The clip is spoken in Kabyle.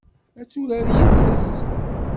Ad turar yid-s?